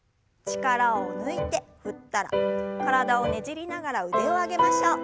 力を抜いて振ったら体をねじりながら腕を上げましょう。